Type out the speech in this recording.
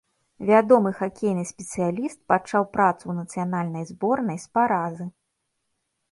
Вядомы хакейны спецыяліст пачаў працу ў нацыянальнай зборнай з паразы.